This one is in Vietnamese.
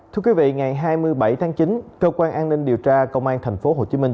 thưa quý vị ngày hai mươi bảy tháng chín cơ quan an ninh điều tra công an thành phố hồ chí minh